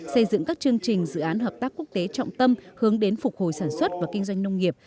xây dựng các chương trình dự án hợp tác quốc tế trọng tâm hướng đến phục hồi sản xuất và kinh doanh nông nghiệp